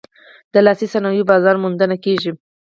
د لاسي صنایعو بازار موندنه کیږي؟